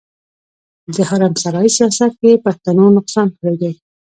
د حرم سرای سياست کې پښتنو نقصان کړی دی.